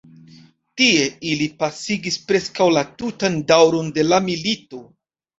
Tie ili pasigis preskaŭ la tutan daŭron de la milito.